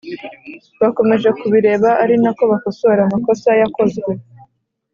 bakomeje kubireba ari nako bakosora amakosa yakozwe